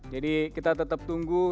jadi kita tetap tunggu